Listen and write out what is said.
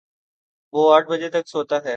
وہ آٹھ بجے تک سوتا ہے